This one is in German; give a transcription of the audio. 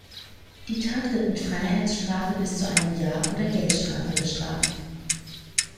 Die Tat wird mit Freiheitsstrafe bis zu einem Jahr oder Geldstrafe bestraft.